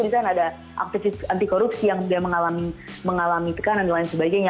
di sana ada aktivis anti korupsi yang dia mengalami mengalami tekanan dan lain sebagainya